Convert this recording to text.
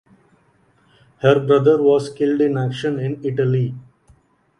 Her brother was killed in action in Italy.